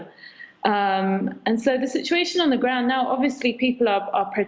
dan jadi situasi di atas tanah sekarang jelasnya orang orang berpengaruh dan mereka marah